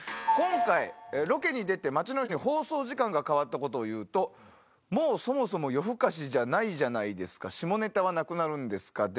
今回、ロケに出て、街の人に放送時間が変わったことを言うと、もうそもそも夜ふかしじゃないじゃないですか、下ネタはなくなるんですか？